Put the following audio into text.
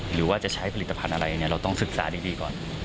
หรือว่าจะใช้ผลิตภัณฑ์อะไรเราต้องศึกษาดีก่อน